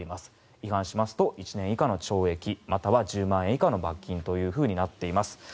違反しますと１年以下の懲役または１０万円以下の罰金となっています。